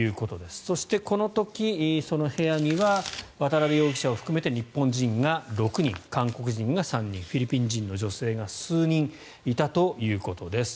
そしてこの時、その部屋には渡邉容疑者を含めて日本人が６人、韓国人が３人フィリピン人の女性が数人いたということです。